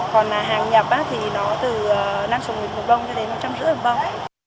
còn hàng nhập thì nó từ năm mươi bông cho đến một trăm năm mươi bông